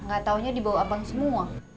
gatau nya dibawa abang semua